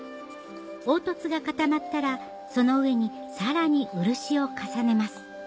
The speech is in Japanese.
凹凸が固まったらその上にさらに漆を重ねます